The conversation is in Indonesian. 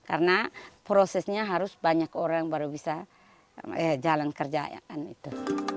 karena prosesnya harus banyak orang baru bisa jalan kerjaan itu